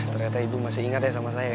ternyata ibu masih ingat ya sama saya